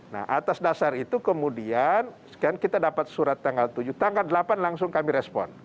nah atas dasar itu kemudian kita dapat surat tanggal tujuh tanggal delapan langsung kami respon